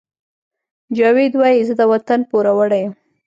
جاوید وایی زه د وطن پوروړی یم